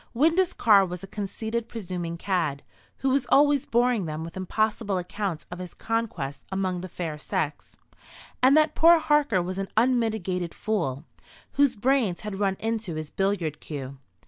Windus Carr was a conceited presuming cad, who was always boring them with impossible accounts of his conquests among the fair sex; and that poor Harker was an unmitigated fool, whose brains had run into his billiard cue.